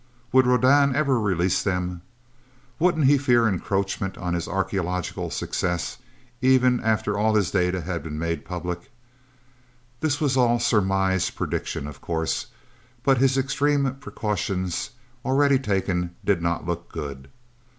Would Rodan ever release them? Wouldn't he fear encroachment on his archeological success, even after all his data had been made public? This was all surmise prediction, of course, but his extreme precautions, already taken, did not look good.